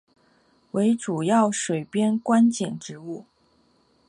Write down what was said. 为主要水边观景植物。